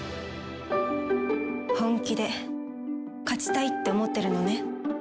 本気で勝ちたいって思ってるのね？